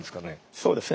そうですね。